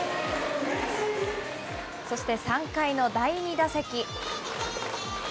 そして３回の第２打席。